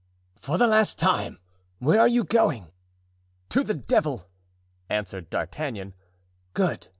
"For the last time, where are you going?" "To the devil!" answered D'Artagnan. "Good!